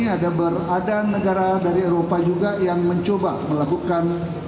ada negara dari eropa juga yang mencoba melakukan